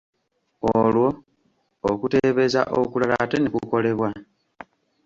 Olwo, okuteebeeza okulala ate ne kukolebwa.